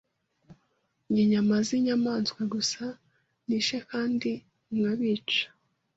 Ndya inyama zinyamaswa gusa nishe kandi nkabica.